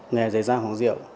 nghề giải ra hoàng diệu